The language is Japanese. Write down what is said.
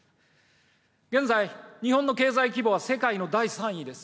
現在、日本の経済規模は世界の第３位です。